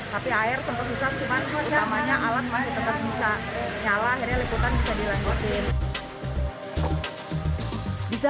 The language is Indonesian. tapi air tempat susah cuman utamanya alat masih tetap bisa nyala akhirnya liputan bisa dilengkapi